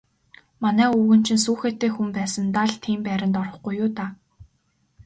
Манай өвгөн чинь сүүхээтэй хүн байсандаа л тийм байранд орохгүй юу даа.